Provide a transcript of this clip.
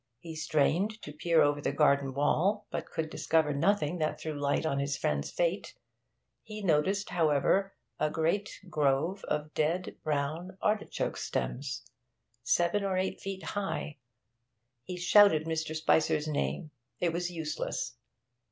He strained to peer over the garden wall, but could discover nothing that threw light on his friend's fate; he noticed, however, a great grove of dead, brown artichoke stems, seven or eight feet high. Looking up at the back windows, he shouted Mr. Spicer's name; it was useless.